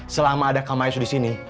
selama ada kamaisu disini